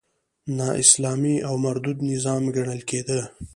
نا اسلامي او مردود نظام ګڼل کېده.